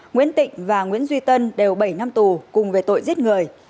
nguyễn tịnh và nguyễn duy tân đều bảy năm tù cùng về tội giết người